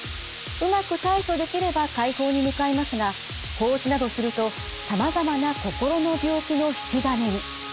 うまく対処できれば快方に向かいますが放置などするとさまざまな心の病気の引き金に。